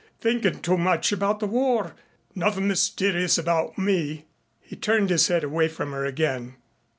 Thinkin' too much about the war. Nothin' mysterious about me." He turned his head away from her again.